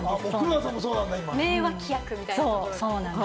名脇役みたいな、ね。